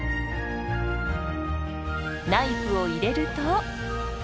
ナイフを入れると。